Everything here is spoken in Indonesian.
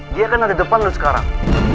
dia kan ada depan loh sekarang